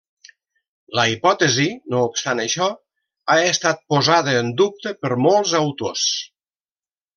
La hipòtesi, no obstant això, ha estat posada en dubte per molts autors.